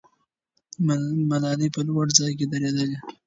ملالۍ په لوړ ځای کې درېدلې.